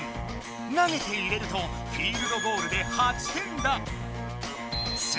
投げて入れると「フィールドゴール」で８点だ。